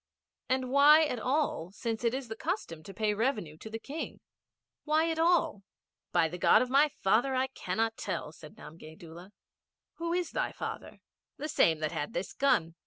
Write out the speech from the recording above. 'And why at all, since it is the custom to pay revenue to the King? Why at all?' 'By the God of my father I cannot tell,' said Namgay Doola. 'And who was thy father?' 'The same that had this gun.'